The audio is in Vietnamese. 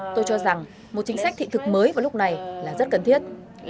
tôi cho rằng một chính sách thị thực mới vào lúc này là rất cần thiết